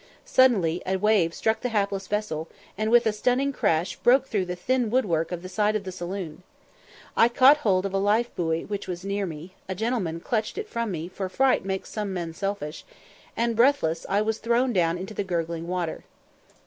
Suddenly a wave struck the hapless vessel, and with a stunning crash broke through the thin woodwork of the side of the saloon. I caught hold of a life buoy which was near me a gentleman clutched it from me, for fright makes some men selfish and, breathless, I was thrown down into the gurgling water.